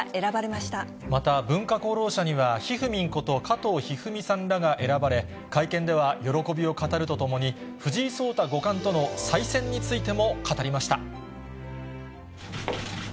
また、文化功労者には、ひふみんこと加藤一二三さんらが選ばれ、会見では喜びを語るとともに、藤井聡太五冠との再戦についても語りました。